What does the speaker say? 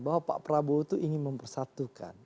bahwa pak prabowo itu ingin mempersatukan